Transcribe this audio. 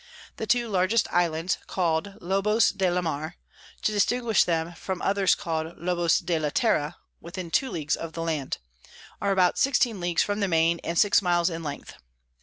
The two largest Islands, call'd Lobos de la Mar (to distinguish them from others call'd Lobos de la Terra, within 2 Ls. of the Land) are about 16 Ls. from the Main, and 6 Miles in length.